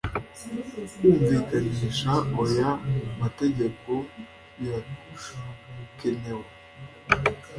kumvikanisha oya mategeko birakenewe